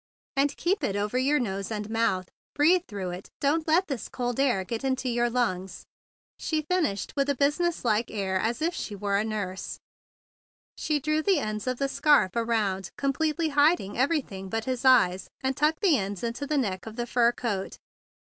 "And keep it over your nose and mouth. Breathe through it; don't let this cold air get into your lungs," she finished with a businesslike air as if she were a nurse. She drew the ends of the scarf around, completely hiding everything but his eyes, and tucked the ends into the neck of the fur coat.